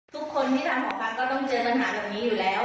ทุกคนที่ทำออกมาก็ต้องเจอปัญหาแบบนี้อยู่แล้ว